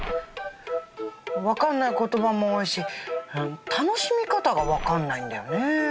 「分かんない言葉も多いし楽しみ方が分かんないんだよね」。